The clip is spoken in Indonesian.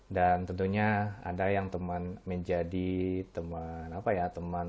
dan tentunya ada yang teman menjadi teman apa ya